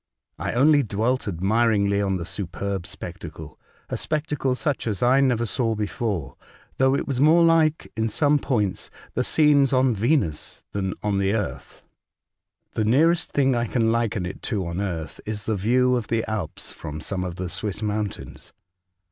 I only dwelt admiringly on the superb spectacle — a spectacle such as I never saw before ; though it was more like, in some points, the scenes on F 66 A Voyage to Other Worlds. Venus than on the earth. The nearest thing I can hken it to on earth is the view of the Alps from some of the Swiss mountains.